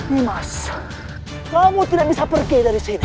mas kamu tidak bisa pergi dari sini